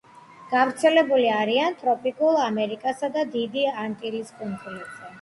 გავრცელებული არიან ტროპიკულ ამერიკასა და დიდი ანტილის კუნძულებზე.